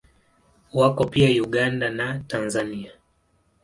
Wako pia Uganda na Tanzania.